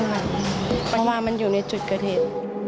เพราะว่ามันอยู่ในจุดเกิดเหตุ